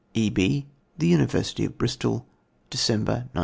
E.B. THE UNIVERSITY OF BRISTOL, December, 1920.